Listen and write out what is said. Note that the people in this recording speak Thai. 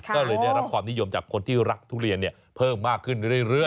ก็เลยได้รับความนิยมจากคนที่รักทุเรียนเพิ่มมากขึ้นเรื่อย